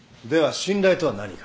信頼とは何か？